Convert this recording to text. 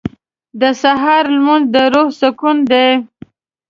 • د سهار لمونځ د روح سکون دی.